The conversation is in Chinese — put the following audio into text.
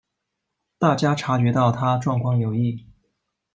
大家察觉到她状况有异